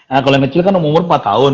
nah kalau yang kecil kan umur empat tahun